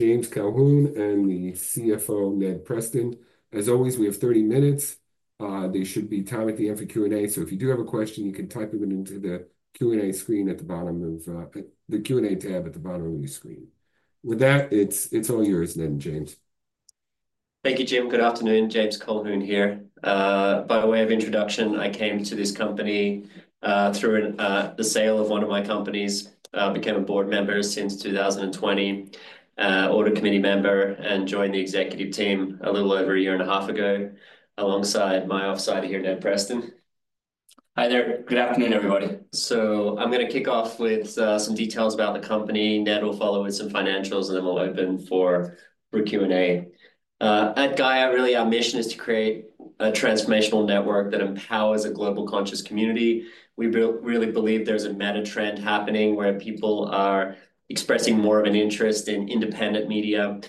James Colquhoun and the CFO, Ned Preston. As always, we have 30 minutes. There should be time at the end for Q&A, so if you do have a question, you can type them into the Q&A screen at the bottom of the Q&A tab at the bottom of your screen. With that, it's all yours, Ned and James. Thank you, Jim. Good afternoon. James Colquhoun here. By way of introduction, I came to this company through the sale of one of my companies, became a board member since 2020, audit committee member, and joined the executive team a little over a year and a half ago alongside my colleague here, Ned Preston. Hi there. Good afternoon, everybody. I'm going to kick off with some details about the company. Ned will follow with some financials, and then we'll open for a Q&A. At Gaia, really, our mission is to create a transformational network that empowers a global conscious community. We really believe there's a meta trend happening where people are expressing more of an interest in independent media,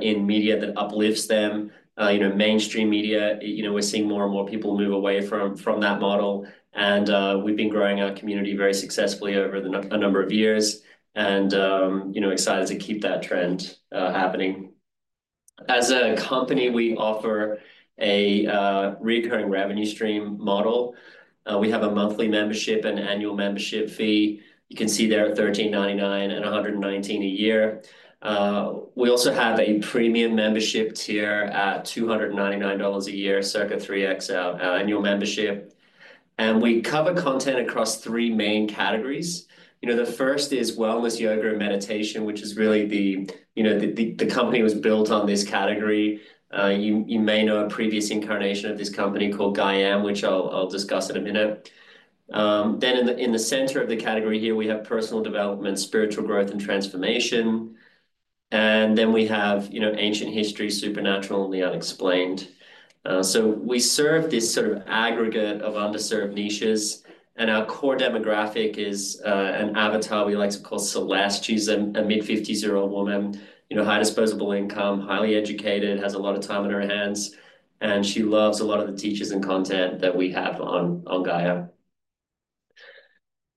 in media that uplifts them, mainstream media. We're seeing more and more people move away from that model. We've been growing our community very successfully over a number of years and excited to keep that trend happening. As a company, we offer a recurring revenue stream model. We have a monthly membership and annual membership fee. You can see there are $13.99 and $119 a year. We also have a premium membership tier at $299 a year, circa 3x annual membership. And we cover content across three main categories. The first is Wellness, Yoga, and Meditation, which is really the company was built on this category. You may know a previous incarnation of this company called GAIAM, which I'll discuss in a minute. Then in the center of the category here, we have Personal Development, Spiritual Growth, and Transformation. And then we have Ancient History, Supernatural, and The Unexplained. So we serve this sort of aggregate of underserved niches. Our core demographic is an avatar we like to call Celeste. She's a mid-50s-year-old woman, high disposable income, highly educated, has a lot of time on her hands. And she loves a lot of the teachers and content that we have on Gaia.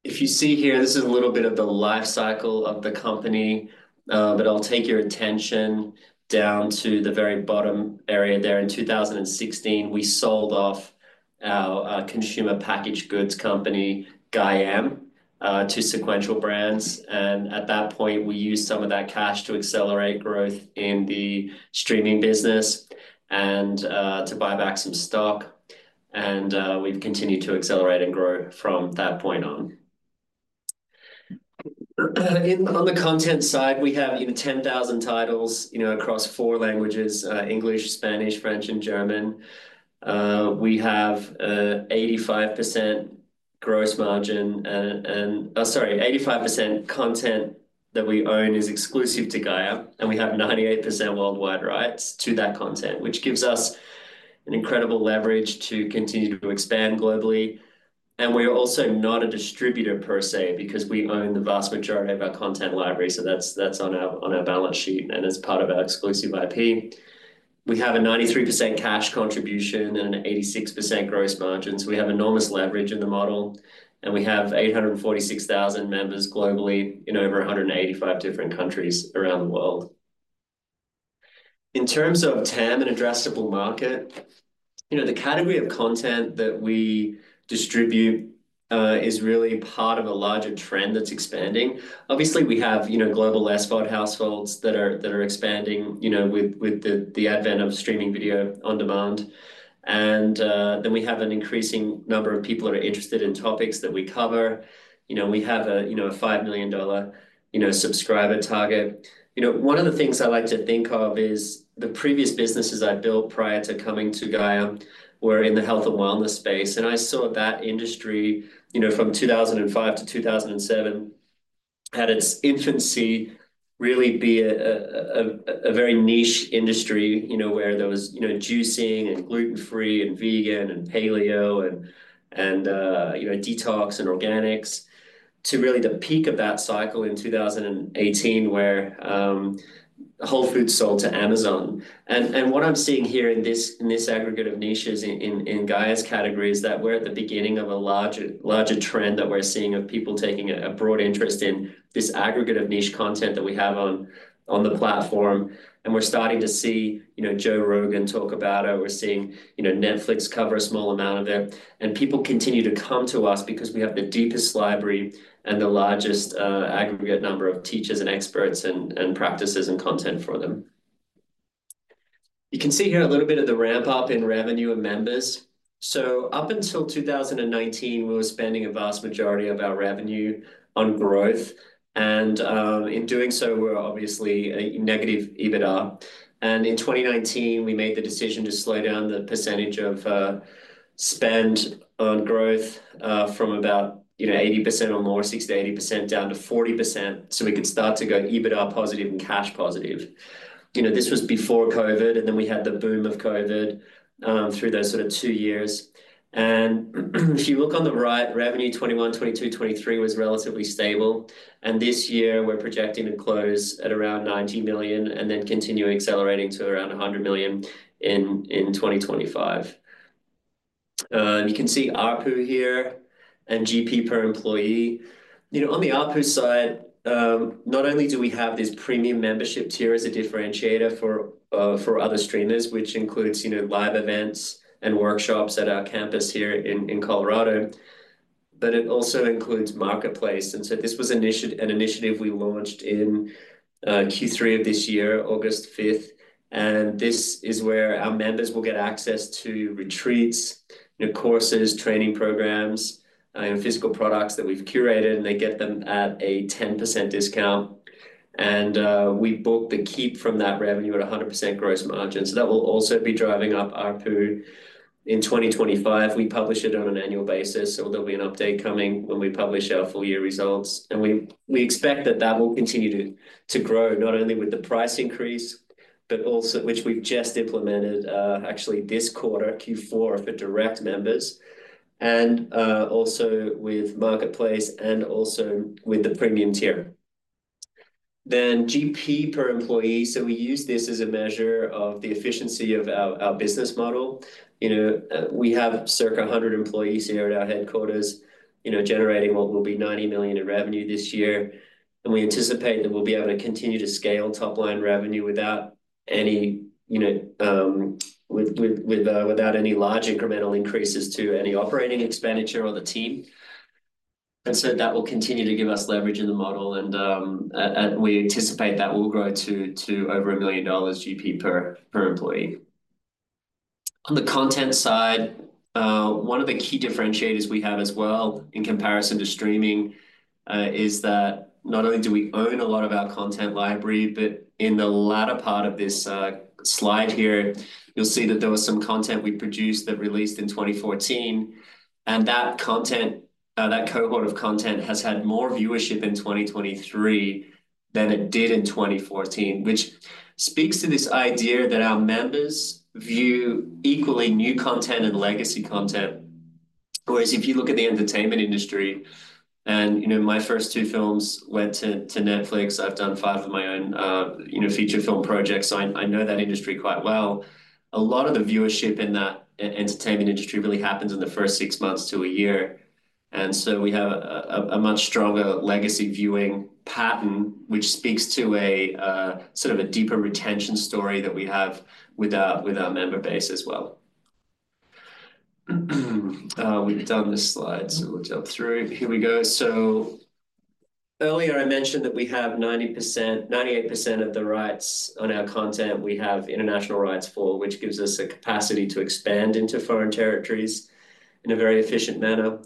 If you see here, this is a little bit of the life cycle of the company. But I'll take your attention down to the very bottom area there. In 2016, we sold off our consumer packaged goods company, GAIAM, to Sequential Brands. And at that point, we used some of that cash to accelerate growth in the streaming business and to buy back some stock. And we've continued to accelerate and grow from that point on. On the content side, we have 10,000 titles across four languages: English, Spanish, French, and German. We have 85% gross margin. Sorry, 85% content that we own is exclusive to Gaia. And we have 98% worldwide rights to that content, which gives us an incredible leverage to continue to expand globally. And we are also not a distributor per se because we own the vast majority of our content library. So that's on our balance sheet and as part of our exclusive IP. We have a 93% cash contribution and an 86% gross margin. So we have enormous leverage in the model. And we have 846,000 members globally in over 185 different countries around the world. In terms of TAM and addressable market, the category of content that we distribute is really part of a larger trend that's expanding. Obviously, we have global SVOD households that are expanding with the advent of streaming video on demand. And then we have an increasing number of people that are interested in topics that we cover. We have a $5 million subscriber target. One of the things I like to think of is the previous businesses I built prior to coming to Gaia were in the health and wellness space. And I saw that industry from 2005-2007 had its infancy really be a very niche industry where there was juicing and gluten-free and vegan and paleo and detox and organics to really the peak of that cycle in 2018 where Whole Foods sold to Amazon. And what I'm seeing here in this aggregate of niches in Gaia's category is that we're at the beginning of a larger trend that we're seeing of people taking a broad interest in this aggregate of niche content that we have on the platform. We're starting to see Joe Rogan talk about it. We're seeing Netflix cover a small amount of it. People continue to come to us because we have the deepest library and the largest aggregate number of teachers and experts and practices and content for them. You can see here a little bit of the ramp-up in revenue and members. Up until 2019, we were spending a vast majority of our revenue on growth. In doing so, we're obviously a negative EBITDA. In 2019, we made the decision to slow down the percentage of spend on growth from about 80% or more, 60%-80%, down to 40% so we could start to go EBITDA positive and cash positive. This was before COVID, and then we had the boom of COVID through those sort of two years. If you look on the right, revenue 2021, 2022, 2023 was relatively stable. This year, we're projecting to close at around $90 million and then continue accelerating to around $100 million in 2025. You can see ARPU here and GP per employee. On the ARPU side, not only do we have this premium membership tier as a differentiator for other streamers, which includes live events and workshops at our campus here in Colorado, but it also includes Marketplace. This was an initiative we launched in Q3 of this year, August 5th. This is where our members will get access to retreats, courses, training programs, and physical products that we've curated. They get them at a 10% discount. We keep the revenue from that at 100% gross margin. That will also be driving up ARPU. In 2025, we publish it on an annual basis. There'll be an update coming when we publish our full year results. We expect that that will continue to grow not only with the price increase, but also, which we've just implemented actually this quarter, Q4, for direct members, and also with Marketplace and also with the premium tier. GP per employee. We use this as a measure of the efficiency of our business model. We have circa 100 employees here at our headquarters generating what will be $90 million in revenue this year. We anticipate that we'll be able to continue to scale top-line revenue without any large incremental increases to any operating expenditure or the team. That will continue to give us leverage in the model. We anticipate that will grow to over $1 million GP per employee. On the content side, one of the key differentiators we have as well in comparison to streaming is that not only do we own a lot of our content library, but in the latter part of this slide here, you'll see that there was some content we produced that released in 2014, and that cohort of content has had more viewership in 2023 than it did in 2014, which speaks to this idea that our members view equally new content and legacy content. Whereas if you look at the entertainment industry, and my first two films went to Netflix. I've done five of my own feature film projects. I know that industry quite well. A lot of the viewership in that entertainment industry really happens in the first six months to a year. And so we have a much stronger legacy viewing pattern, which speaks to sort of a deeper retention story that we have with our member base as well. We've done this slide, so we'll jump through. Here we go. So earlier, I mentioned that we have 98% of the rights on our content. We have international rights for, which gives us a capacity to expand into foreign territories in a very efficient manner.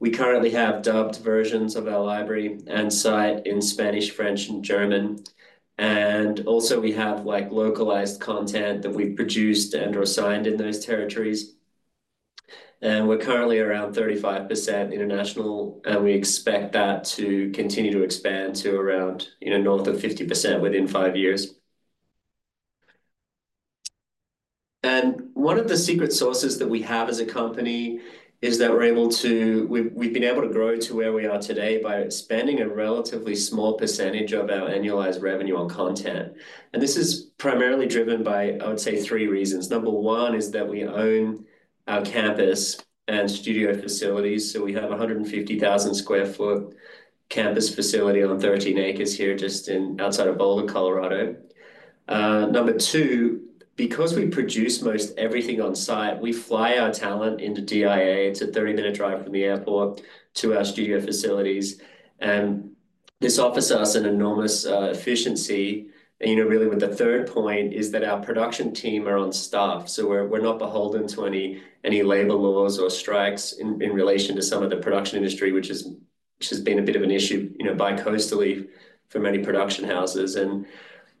We currently have dubbed versions of our library and site in Spanish, French, and German. And also, we have localized content that we've produced and/or signed in those territories. And we're currently around 35% international. And we expect that to continue to expand to around north of 50% within five years. One of the secret sauces that we have as a company is that we've been able to grow to where we are today by spending a relatively small percentage of our annualized revenue on content. This is primarily driven by, I would say, three reasons. Number one is that we own our campus and studio facilities. So we have a 150,000 sq ft campus facility on 13 acres here just outside of Boulder, Colorado. Number two, because we produce most everything on site, we fly our talent into DIA. It's a 30-minute drive from the airport to our studio facilities. And this offers us an enormous efficiency. Really, with the third point is that our production team are on staff. We're not beholden to any labor laws or strikes in relation to some of the production industry, which has been a bit of an issue bicoastally for many production houses. And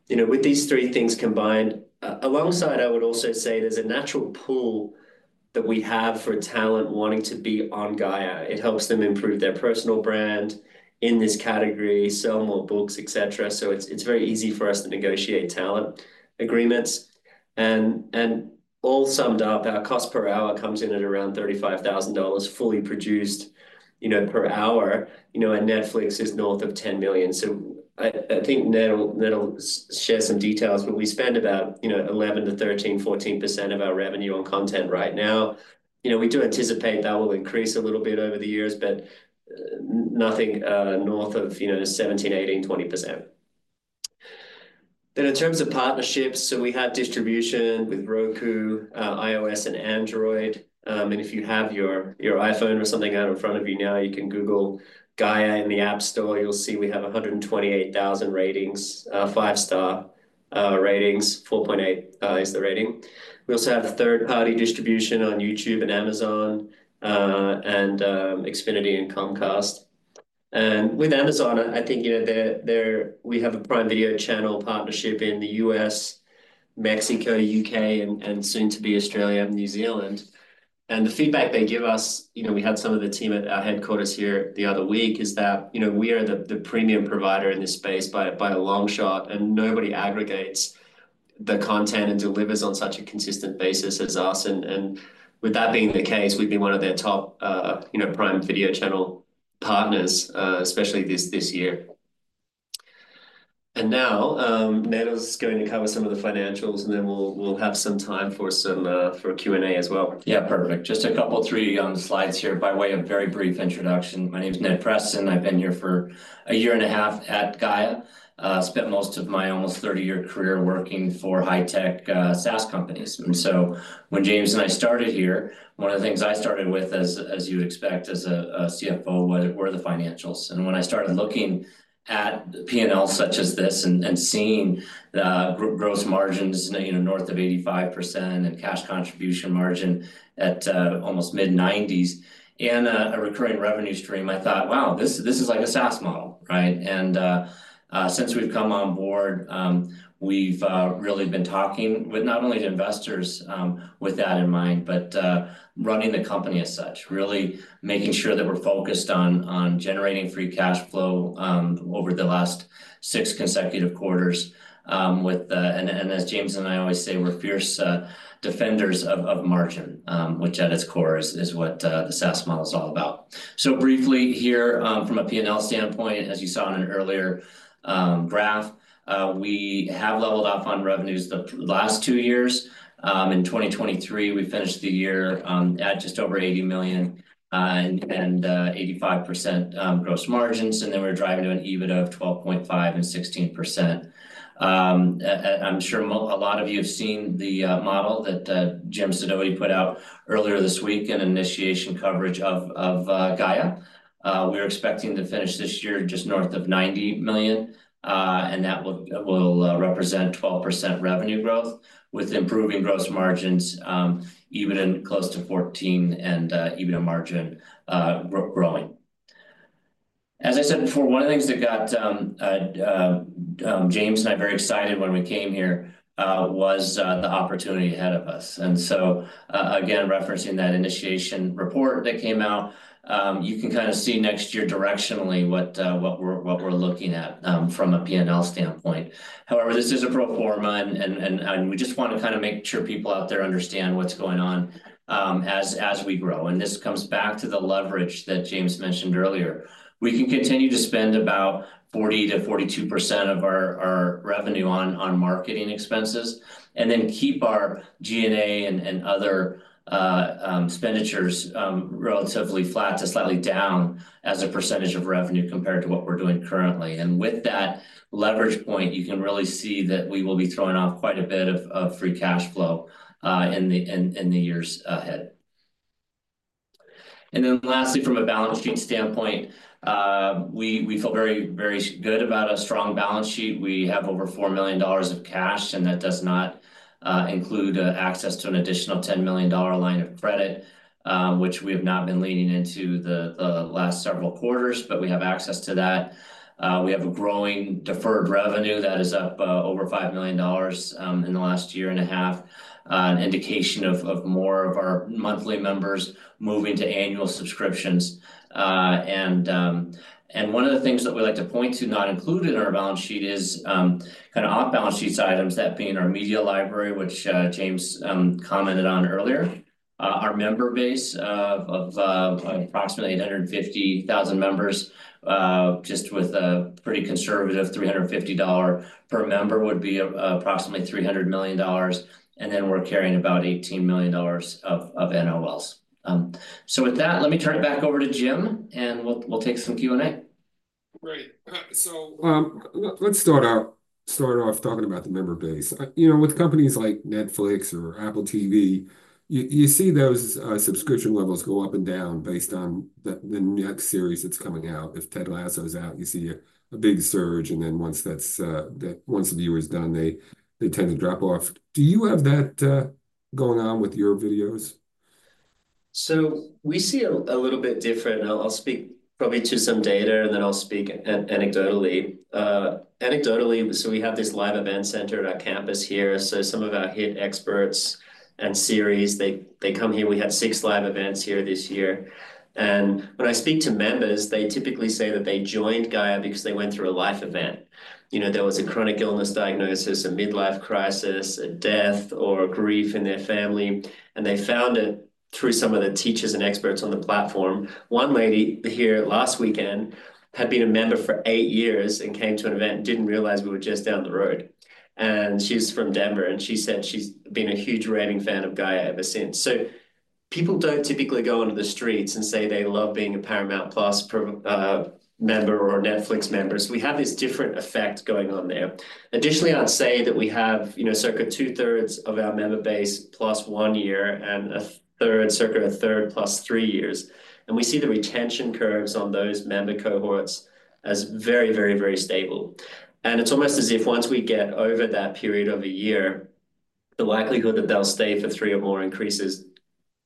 with these three things combined, alongside, I would also say there's a natural pool that we have for talent wanting to be on Gaia. It helps them improve their personal brand in this category, sell more books, etc. So it's very easy for us to negotiate talent agreements. And all summed up, our cost per hour comes in at around $35,000 fully produced per hour. And Netflix is north of $10 million. So I think Ned will share some details. But we spend about 11%-13%, 14% of our revenue on content right now. We do anticipate that will increase a little bit over the years, but nothing north of 17%, 18%, 20%. Then in terms of partnerships, so we have distribution with Roku, iOS, and Android. And if you have your iPhone or something out in front of you now, you can Google Gaia in the App Store. You'll see we have 128,000 ratings, five-star ratings. 4.8 is the rating. We also have third-party distribution on YouTube and Amazon and Xfinity and Comcast. And with Amazon, I think we have a Prime Video channel partnership in the U.S., Mexico, U.K., and soon to be Australia and New Zealand. And the feedback they give us, we had some of the team at our headquarters here the other week, is that we are the premium provider in this space by a long shot. And nobody aggregates the content and delivers on such a consistent basis as us. With that being the case, we've been one of their top Prime Video channel partners, especially this year. Now, Ned is going to cover some of the financials, and then we'll have some time for a Q&A as well. Yeah, perfect. Just a couple of three slides here by way of very brief introduction. My name is Ned Preston. I've been here for a year and a half at Gaia. I spent most of my almost 30-year career working for high-tech SaaS companies. And so when James and I started here, one of the things I started with, as you would expect as a CFO, were the financials. When I started looking at P&L such as this and seeing gross margins north of 85% and cash contribution margin at almost mid-90%s and a recurring revenue stream, I thought, "Wow, this is like a SaaS model." Since we've come on board, we've really been talking with not only the investors with that in mind, but running the company as such, really making sure that we're focused on generating free cash flow over the last six consecutive quarters. As James and I always say, we're fierce defenders of margin, which at its core is what the SaaS model is all about. Briefly here, from a P&L standpoint, as you saw in an earlier graph, we have leveled off on revenues the last two years. In 2023, we finished the year at just over $80 million and 85% gross margins. And then we're driving to an EBITDA of 12.5% and 16%. I'm sure a lot of you have seen the model that Jim Sidoti put out earlier this week and initiation coverage of Gaia. We're expecting to finish this year just north of $90 million. And that will represent 12% revenue growth with improving gross margins, EBITDA close to 14, and EBITDA margin growing. As I said before, one of the things that got James and I very excited when we came here was the opportunity ahead of us. And so again, referencing that initiation report that came out, you can kind of see next year directionally what we're looking at from a P&L standpoint. However, this is a pro forma. And we just want to kind of make sure people out there understand what's going on as we grow. This comes back to the leverage that James mentioned earlier. We can continue to spend about 40%-42% of our revenue on marketing expenses and then keep our G&A and other expenditures relatively flat to slightly down as a percentage of revenue compared to what we're doing currently. With that leverage point, you can really see that we will be throwing off quite a bit of free cash flow in the years ahead. Then lastly, from a balance sheet standpoint, we feel very good about a strong balance sheet. We have over $4 million of cash, and that does not include access to an additional $10 million line of credit, which we have not been leaning into the last several quarters, but we have access to that. We have a growing deferred revenue that is up over $5 million in the last year and a half, an indication of more of our monthly members moving to annual subscriptions. And one of the things that we like to point to not include in our balance sheet is kind of off-balance sheet items, that being our media library, which James commented on earlier, our member base of approximately 850,000 members, just with a pretty conservative $350 per member would be approximately $300 million. And then we're carrying about $18 million of NOLs. So with that, let me turn it back over to Jim, and we'll take some Q&A. Great. So let's start off talking about the member base. With companies like Netflix or Apple TV, you see those subscription levels go up and down based on the next series that's coming out. If Ted Lasso's out, you see a big surge, and then once the viewer's done, they tend to drop off. Do you have that going on with your videos? So we see a little bit different. I'll speak probably to some data, and then I'll speak anecdotally. Anecdotally, so we have this live event center at our campus here. So some of our hit experts and series, they come here. We had six live events here this year, and when I speak to members, they typically say that they joined Gaia because they went through a life event. There was a chronic illness diagnosis, a midlife crisis, a death, or grief in their family, and they found it through some of the teachers and experts on the platform. One lady here last weekend had been a member for eight years and came to an event and didn't realize we were just down the road, and she's from Denver, and she said she's been a huge raving fan of Gaia ever since. So people don't typically go onto the streets and say they love being a Paramount+ member or Netflix members. We have this different effect going on there. Additionally, I'd say that we have circa 2/3 of our member base plus one year and circa 1/3 plus three years. We see the retention curves on those member cohorts as very, very, very stable. It's almost as if once we get over that period of a year, the likelihood that they'll stay for three or more increases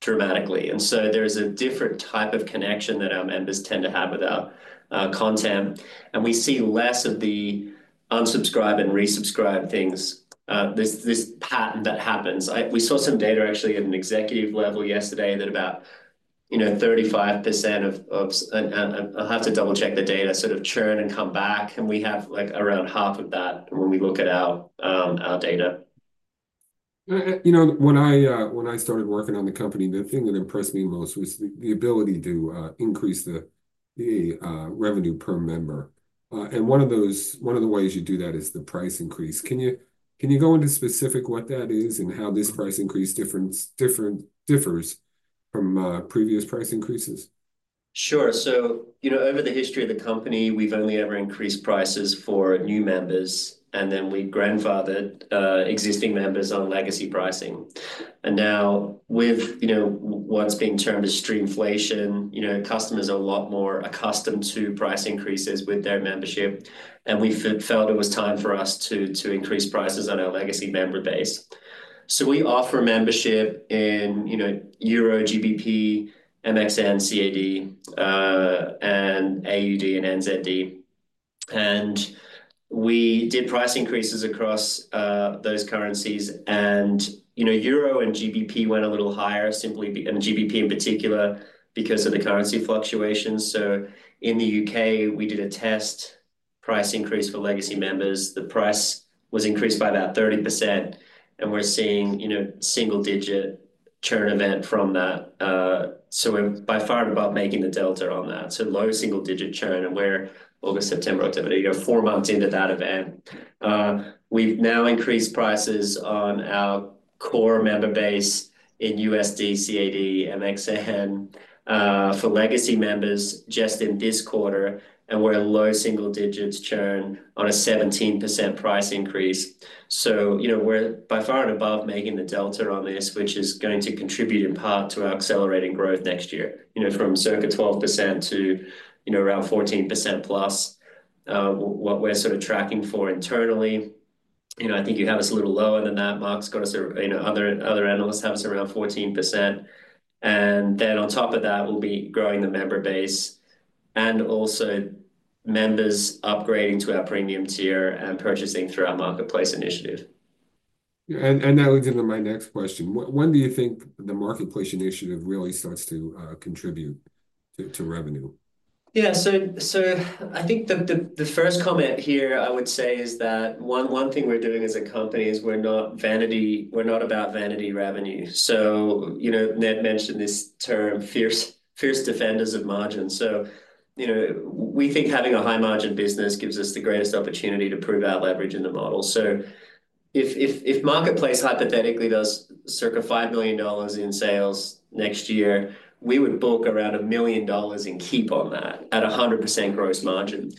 dramatically. And so there is a different type of connection that our members tend to have with our content. And we see less of the unsubscribe and resubscribe things, this pattern that happens. We saw some data actually at an executive level yesterday that about 35% of, I'll have to double-check the data, sort of, churn and come back. And we have around half of that when we look at our data. When I started working on the company, the thing that impressed me most was the ability to increase the revenue per member. And one of the ways you do that is the price increase. Can you go into specifics what that is and how this price increase differs from previous price increases? Sure. So over the history of the company, we've only ever increased prices for new members, and then we grandfathered existing members on legacy pricing. Now, with what's being termed as streamflation, customers are a lot more accustomed to price increases with their membership. We felt it was time for us to increase prices on our legacy member base. We offer membership in Euro, GBP, MXN, CAD, AUD, and NZD. We did price increases across those currencies. Euro and GBP went a little higher, and GBP in particular, because of the currency fluctuations. In the UK, we did a test price increase for legacy members. The price was increased by about 30%. We're seeing single-digit churn event from that. We're by far and above making the delta on that. Low single-digit churn. We're August, September, October, you go four months into that event. We've now increased prices on our core member base in USD, CAD, MXN for legacy members just in this quarter. And we're low single-digit churn on a 17% price increase. So we're by far and above making the delta on this, which is going to contribute in part to our accelerating growth next year, from circa 12% to around 14%+ what we're sort of tracking for internally. I think you have us a little lower than that. Mark's got us, other analysts have us around 14%. And then on top of that, we'll be growing the member base and also members upgrading to our premium tier and purchasing through our Marketplace initiative. And that leads into my next question. When do you think the Marketplace initiative really starts to contribute to revenue? Yeah. So I think the first comment here, I would say, is that one thing we're doing as a company is we're not about vanity revenue. So Ned mentioned this term, fierce defenders of margin. We think having a high-margin business gives us the greatest opportunity to prove our leverage in the model. If Marketplace hypothetically does circa $5 million in sales next year, we would book around $1 million and keep on that at 100% gross margin.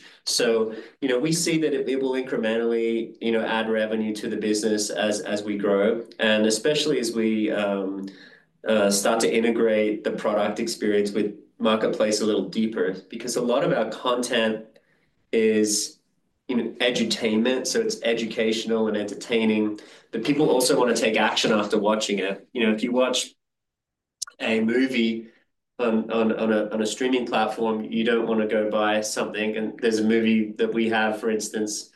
We see that it will incrementally add revenue to the business as we grow, and especially as we start to integrate the product experience with Marketplace a little deeper because a lot of our content is edutainment. It's educational and entertaining. People also want to take action after watching it. If you watch a movie on a streaming platform, you don't want to go buy something. There's a movie that we have, for instance,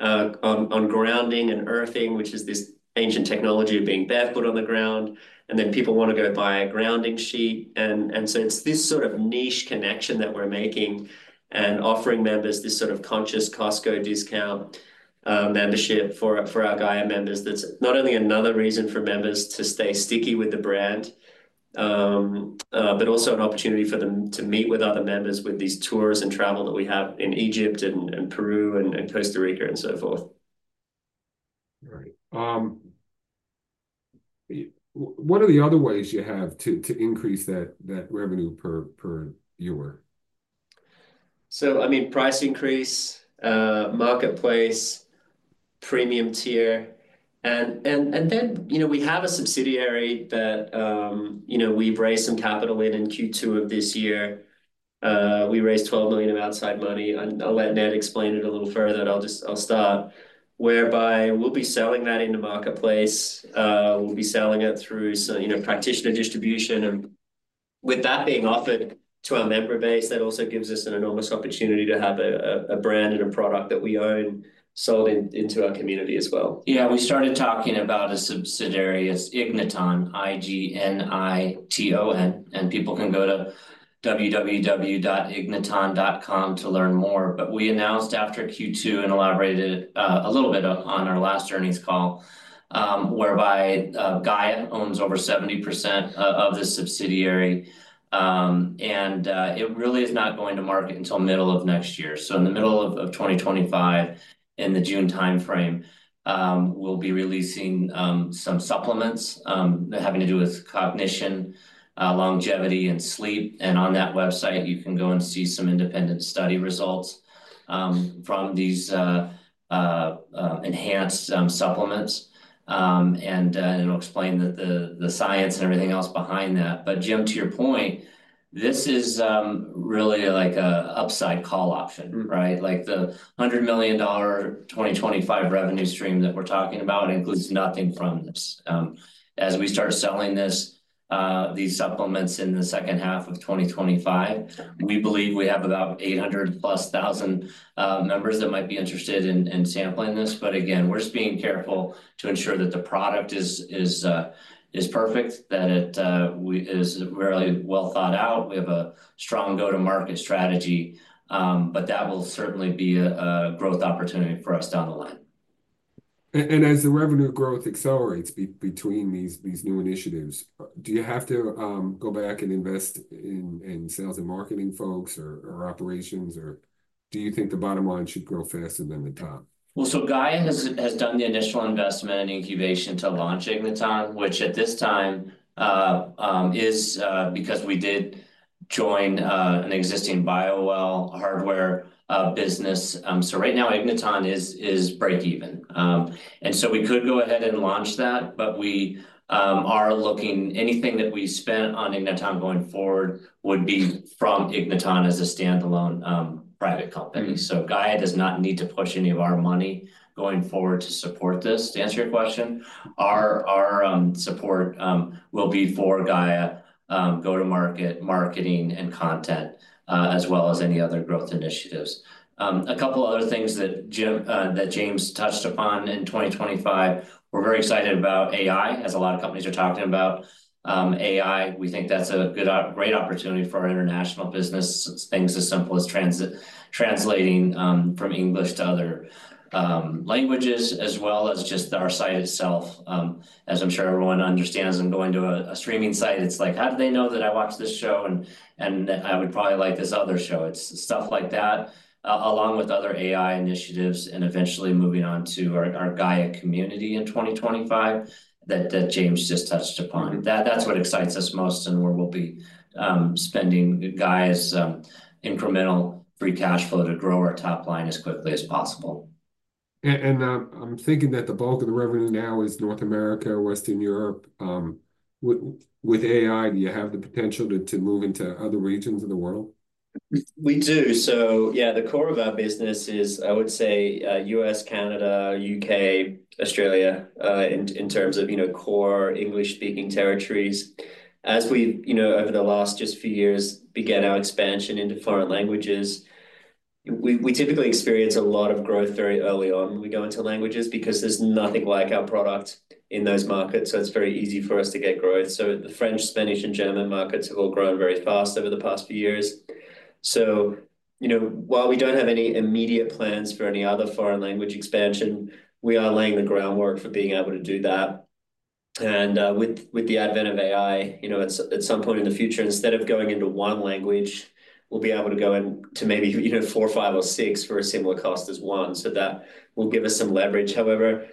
on grounding and earthing, which is this ancient technology of being barefoot on the ground. Then people want to go buy a grounding sheet. And so it's this sort of niche connection that we're making and offering members this sort of conscious Costco discount membership for our Gaia members. That's not only another reason for members to stay sticky with the brand, but also an opportunity for them to meet with other members with these tours and travel that we have in Egypt and Peru and Costa Rica and so forth. Right. What are the other ways you have to increase that revenue per viewer? So I mean, price increase, Marketplace, premium tier. And then we have a subsidiary that we've raised some capital in in Q2 of this year. We raised $12 million of outside money. And I'll let Ned explain it a little further. I'll start whereby we'll be selling that in the Marketplace. We'll be selling it through practitioner distribution. With that being offered to our member base, that also gives us an enormous opportunity to have a brand and a product that we own sold into our community as well. Yeah. We started talking about a subsidiary as Igniton, I-G-N-I-T-O-N. People can go to www.igniton.com to learn more. We announced after Q2 and elaborated a little bit on our last earnings call whereby Gaia owns over 70% of the subsidiary. It really is not going to market until middle of next year. In the middle of 2025, in the June timeframe, we'll be releasing some supplements that have to do with cognition, longevity, and sleep. On that website, you can go and see some independent study results from these enhanced supplements. It'll explain the science and everything else behind that. But Jim, to your point, this is really like an upside call option, right? The $100 million 2025 revenue stream that we're talking about includes nothing from this. As we start selling these supplements in the second half of 2025, we believe we have about 800,000+ members that might be interested in sampling this. But again, we're just being careful to ensure that the product is perfect, that it is really well thought out. We have a strong go-to-market strategy, but that will certainly be a growth opportunity for us down the line. And as the revenue growth accelerates between these new initiatives, do you have to go back and invest in sales and marketing folks or operations? Or do you think the bottom line should grow faster than the top? So Gaia has done the initial investment and incubation to launch Igniton, which at this time is because we did join an existing Bio-Well hardware business. Right now, Igniton is break-even. And so we could go ahead and launch that, but we are looking anything that we spend on Igniton going forward would be from Igniton as a standalone private company. Gaia does not need to push any of our money going forward to support this. To answer your question, our support will be for Gaia go-to-market, marketing, and content, as well as any other growth initiatives. A couple of other things that James touched upon in 2025, we're very excited about AI, as a lot of companies are talking about AI. We think that's a great opportunity for our international business, things as simple as translating from English to other languages, as well as just our site itself. As I'm sure everyone understands, when I'm going to a streaming site. It's like, how do they know that I watched this show and I would probably like this other show? It's stuff like that, along with other AI initiatives and eventually moving on to our Gaia community in 2025 that James just touched upon. That's what excites us most and where we'll be spending Gaia's incremental free cash flow to grow our top line as quickly as possible. And I'm thinking that the bulk of the revenue now is North America, Western Europe. With AI, do you have the potential to move into other regions of the world? We do. So yeah, the core of our business is, I would say, U.S., Canada, U.K., Australia in terms of core English-speaking territories. As we, over the last just few years, began our expansion into foreign languages, we typically experience a lot of growth very early on when we go into languages because there's nothing like our product in those markets. So it's very easy for us to get growth. So the French, Spanish, and German markets have all grown very fast over the past few years. So while we don't have any immediate plans for any other foreign language expansion, we are laying the groundwork for being able to do that. And with the advent of AI, at some point in the future, instead of going into one language, we'll be able to go into maybe four, five, or six for a similar cost as one. That will give us some leverage. However,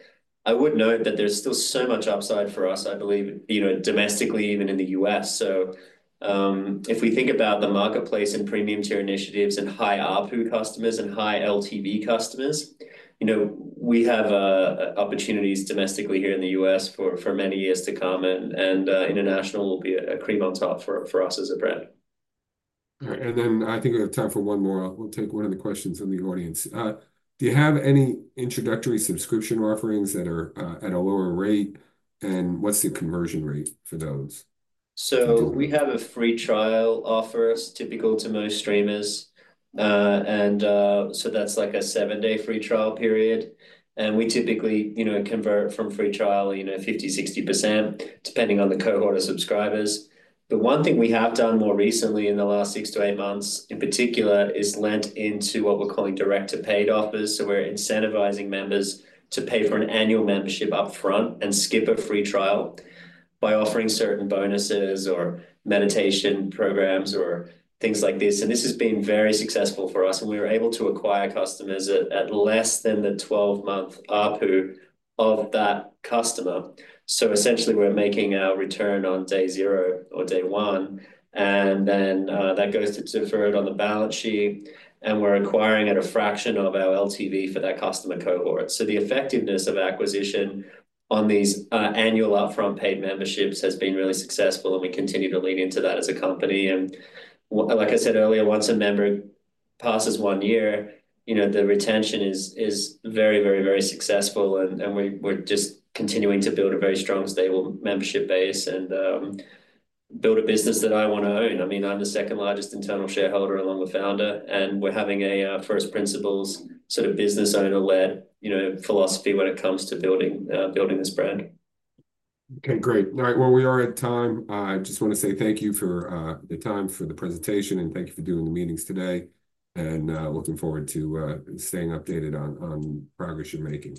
I would note that there's still so much upside for us, I believe, domestically, even in the U.S. So if we think about the marketplace and premium tier initiatives and high ARPU customers and high LTV customers, we have opportunities domestically here in the U.S. for many years to come. And international will be a cream on top for us as a brand. And then I think we have time for one more. We'll take one of the questions in the audience. Do you have any introductory subscription offerings that are at a lower rate? And what's the conversion rate for those? So we have a free trial offer that's typical to most streamers. And so that's like a seven-day free trial period. And we typically convert from free trial 50%-60%, depending on the cohort of subscribers. But one thing we have done more recently in the last six to eight months, in particular, is lent into what we're calling direct-to-paid offers. So we're incentivizing members to pay for an annual membership upfront and skip a free trial by offering certain bonuses or meditation programs or things like this. And this has been very successful for us. And we were able to acquire customers at less than the 12-month ARPU of that customer. So essentially, we're making our return on day zero or day one. And then that goes to defer it on the balance sheet. And we're acquiring at a fraction of our LTV for that customer cohort. So the effectiveness of acquisition on these annual upfront paid memberships has been really successful. And we continue to lean into that as a company. Like I said earlier, once a member passes one year, the retention is very, very, very successful. We're just continuing to build a very strong stable membership base and build a business that I want to own. I mean, I'm the second largest internal shareholder along with founder. We're having a first-principles sort of business-owner-led philosophy when it comes to building this brand. Okay. Great. All right. We are at time. I just want to say thank you for the time for the presentation. Thank you for doing the meetings today. Looking forward to staying updated on progress you're making.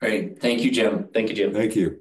Great. Thank you, Jim. Thank you, Jim. Thank you.